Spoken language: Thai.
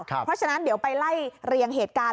เพราะฉะนั้นเดี๋ยวไปไล่เรียงเหตุการณ์